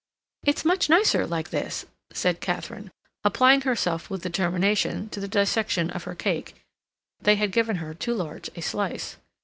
"It's much nicer like this," said Katharine, applying herself with determination to the dissection of her cake; they had given her too large a slice.